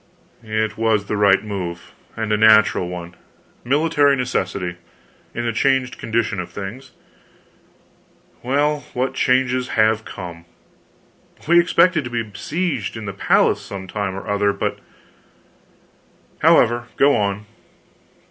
"It was the right move and the natural one; military necessity, in the changed condition of things. Well, what changes have come! We expected to be besieged in the palace some time or other, but however, go on."